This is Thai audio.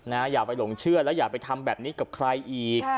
อย่าไปหลงเชื่อแล้วอย่าไปทำแบบนี้กับใครอีก